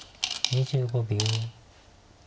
２５秒。